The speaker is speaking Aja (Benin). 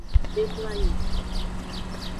De mloanyi.